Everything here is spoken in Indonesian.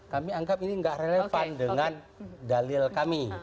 kami anggap ini tidak relevan dengan dalil kami